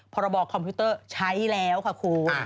พรบคอมพิวเตอร์ใช้แล้วค่ะครู